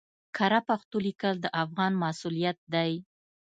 کره پښتو ليکل د افغان مسؤليت دی